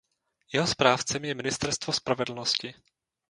Jeho správcem je Ministerstvo spravedlnosti.